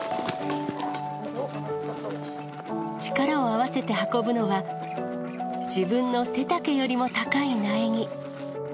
力を合わせて運ぶのは、自分の背丈よりも高い苗木。